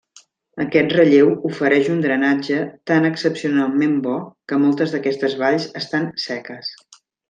Aquest relleu ofereix un drenatge tan excepcionalment bo que moltes d'aquestes valls estan seques.